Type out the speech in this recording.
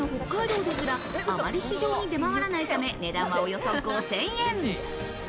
産地の北海道ですらあまり市場に出回らないため、値段はおよそ５０００円。